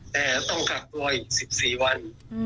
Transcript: แต่ต้องกักตัวอีก๑๔วัน